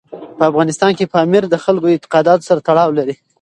په افغانستان کې پامیر د خلکو د اعتقاداتو سره تړاو لري.